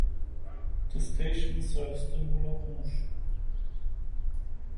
The station serves the Moulin Rouge.